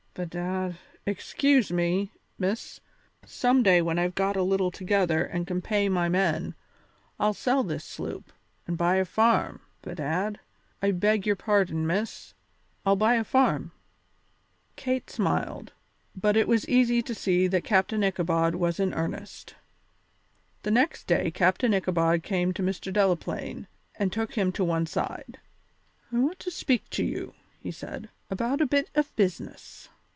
"Bedad excuse me, Miss some day when I've got a little together and can pay my men I'll sell this sloop and buy a farm, bedad I beg your pardon, Miss I'll buy a farm." Kate smiled, but it was easy to see that Captain Ichabod was in earnest. The next day Captain Ichabod came to Mr. Delaplaine and took him to one side. "I want to speak to you," he said, "about a bit of business."